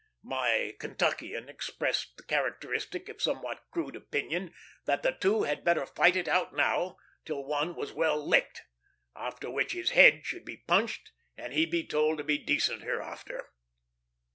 My Kentuckian expressed the characteristic, if somewhat crude, opinion, that the two had better fight it out now, till one was well licked; after which his head should be punched and he be told to be decent hereafter.